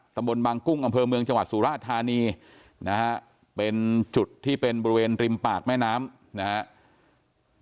ตำบลบางกุ้งอำเภอเมืองจังหวัดสุราธานีนะฮะเป็นจุดที่เป็นบริเวณริมปากแม่น้ำนะครับ